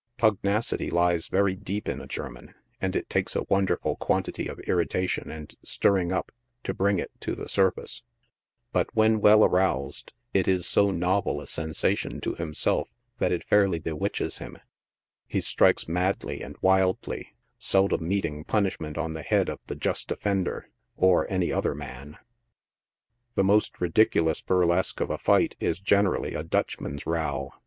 Pugnacity lies very deep in a German, and it takes a wonderful quantity of irritation and stirring up to bring it to the surface, but, when well aroused, it is so novel a sensation to himself, that it fairly bewitches him ; he strikes madly and wild ly, seldom meting punishment on the head of the just offender, " or any other man." The mosj; ridiculous burlesque of a fight is gene rally a Dutchman's row.